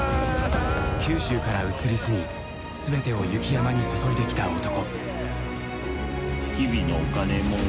九州から移り住み全てを雪山に注いできた男。